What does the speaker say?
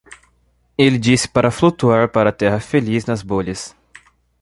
Ele disse para flutuar para a Terra Feliz nas bolhas.